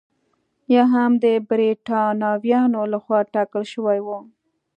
یا هم د برېټانویانو لخوا ټاکل شوي وو.